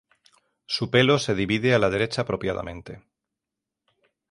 Su pelo se divide a la derecha apropiadamente.